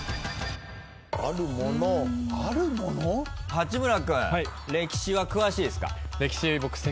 八村君歴史は詳しいですか？